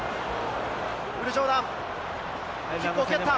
ウィル・ジョーダン、キックを蹴った。